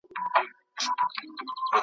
له کلونو پکښي کور د لوی تور مار وو ,